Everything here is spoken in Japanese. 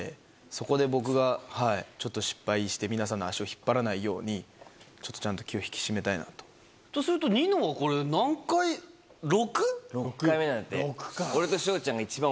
そこで僕が、ちょっと失敗して、皆さんの足を引っ張らないように、ちょっとちゃんと気を引き締めたとすると、６回目なんですよ。